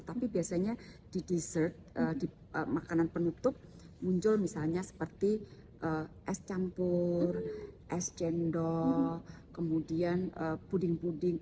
tapi biasanya di dessert di makanan penutup muncul misalnya seperti es campur es cendol kemudian puding puding